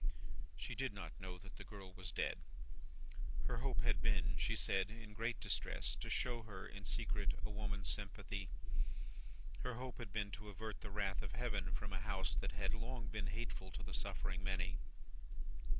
She did not know that the girl was dead. Her hope had been, she said in great distress, to show her, in secret, a woman's sympathy. Her hope had been to avert the wrath of Heaven from a House that had long been hateful to the suffering many.